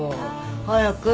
早く。